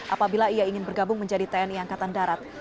apabila ia ingin bergabung menjadi tni angkatan darat